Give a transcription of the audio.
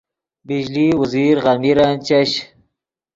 بجلی اوزیر غمیرن چش